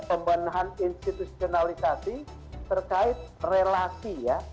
pembenahan institusionalisasi terkait relasi ya